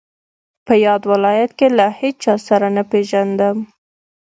په یاد ولایت کې له هیچا سره نه پېژندم.